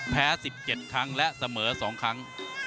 ๑๗ครั้งและเสมอ๒ครั้ง